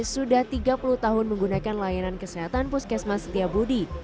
sudah tiga puluh tahun menggunakan layanan kesehatan puskesmas setiabudi